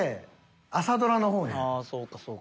ああそうかそうか。